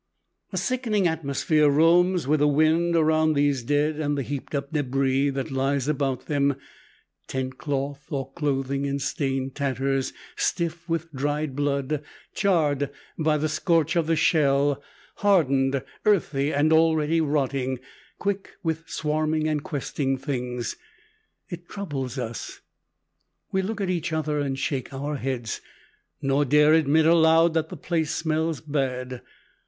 A sickening atmosphere roams with the wind around these dead and the heaped up debris, that lies about them tent cloth or clothing in stained tatters, stiff with dried blood, charred by the scorch of the shell, hardened, earthy and already rotting, quick with swarming and questing things. It troubles us. We look at each other and shake our heads, nor dare admit aloud that the place smells bad.